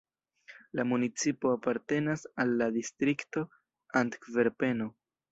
La municipo apartenas al la distrikto "Antverpeno".